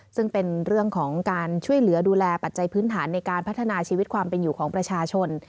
ซึ่งเป็นเรื่องของการช่วยเหลือดูแลปัจจัยพื้นฐานในการพัฒนาชีวิตความเป็นอยู่ของประชาชน